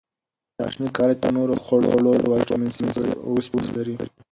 دا شنه کالي تر نورو خوړو ډېر ویټامین سي او وسپنه لري.